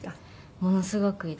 ものすごくいいです。